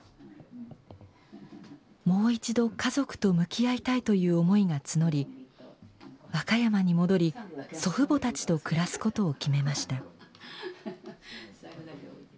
もう一度家族と向き合いたいという思いが募り和歌山に戻り祖父母たちと暮らすことを決めました。